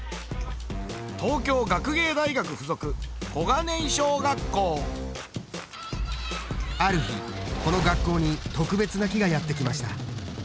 東京学芸大学附属小金井小学校ある日この学校に特別な木がやって来ました。